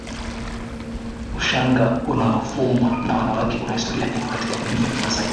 Ushanga unaofumwa na wanawake una historia ndefu katika jamii ya kimasai